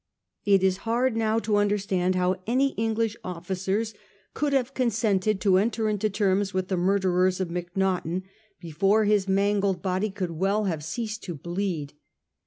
It is hard now to understand how any Eng lish officers could have consented to enter into terms with the murderers of Macnaghten before his mangled 1841. AN APPEAL FOE MEECY. 247 body could well have ceased to bleed.